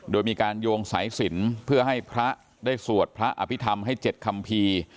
โดยมีการโยงสายสินเพื่อให้พระได้สวดพระอภิษฐรรมให้๗คัมภีร์